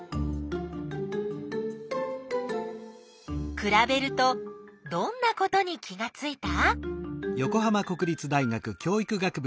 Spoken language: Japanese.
くらべるとどんなことに気がついた？